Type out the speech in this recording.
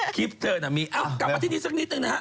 คลิปเธอน่ะมีเอ้ากลับมาที่นี้สักนิดหนึ่งนะฮะ